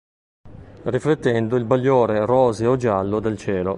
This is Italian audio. Riflettendo il bagliore roseo-giallo del cielo.